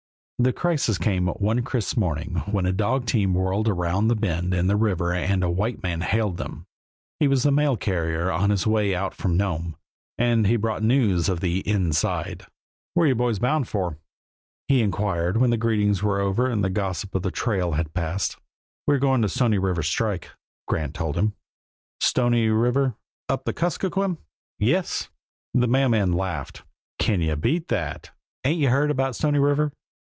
The crisis came one crisp morning when a dog team whirled around a bend in the river and a white man hailed them. He was the mail carrier, on his way out from Nome, and he brought news of the "inside." "Where are you boys bound for?" he inquired when greetings were over and gossip of the trail had passed. "We're going to the Stony River strike," Grant told him. "Stony River? Up the Kuskokwim?" "Yes!" The mail man laughed. "Can you beat that? Ain't you heard about Stony River?"